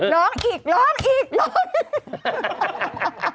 ร้องอีก